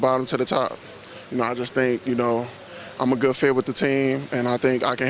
saya bergabung dengan tim ini dan saya pikir saya bisa membantu mereka menang